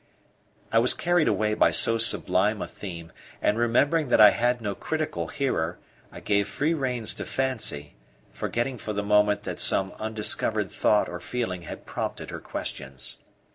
I was carried away by so sublime a theme; and remembering that I had no critical hearer, I gave free reins to fancy, forgetting for the moment that some undiscovered thought or feeling had prompted her questions.